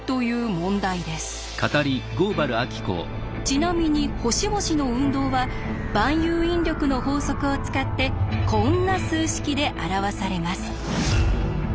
ちなみに星々の運動は万有引力の法則を使ってこんな数式で表されます。